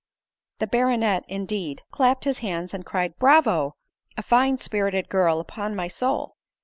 The baronet, indeed, clapped his hands, and cried, " Bravo ! a fine spirited girl, upon my soul